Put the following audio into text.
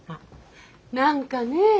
何かね